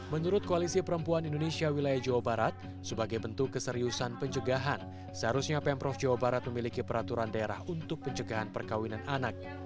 menurut koalisi perempuan indonesia wilayah jawa barat sebagai bentuk keseriusan pencegahan seharusnya pemprov jawa barat memiliki peraturan daerah untuk pencegahan perkawinan anak